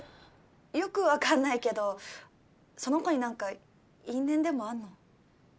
よくわかんないけどその子になんか因縁でもあんの？